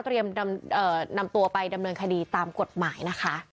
นำตัวไปดำเนินคดีตามกฎหมายนะคะ